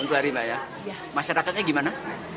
untuk hari mbak ya masyarakatnya gimana